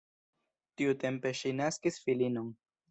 Tiutempe ŝi naskis filinon.